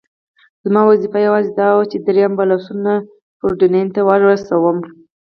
زما دنده یوازې دا وه، چې درې امبولانسونه پورډینون ته ورسوم.